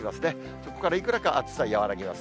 そこからいくらか暑さ和らぎます。